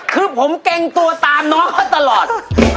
คือผมเกรงตัวตามน้องเขาตลอด